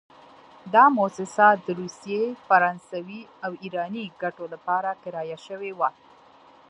دا موسسه د روسي، فرانسوي او ایراني ګټو لپاره کرایه شوې وه.